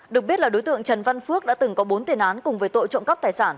được biết là đối tượng trần văn phước đã từng có bốn tiền án cùng với tội trộm cắp tài sản